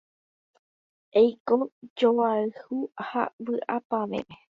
Eiko joayhu ha vy'apavẽme.